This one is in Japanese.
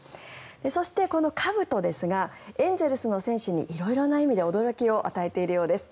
そして、このかぶとですがエンゼルスの選手に色々な意味で驚きを与えているようです。